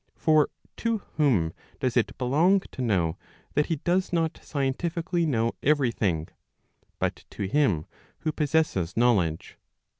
For to whom does it belong to know that he does not scientifically know every thing, but to him who possesses knowledge.